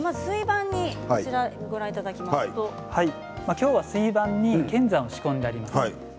今日は水盤に剣山を仕込んでおります。